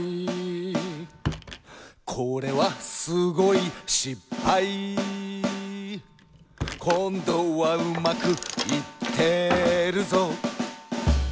「これはすごいしっぱい」「こんどはうまくいってるぞ」